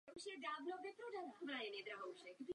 Nesmíme směšovat jednotlivé věci.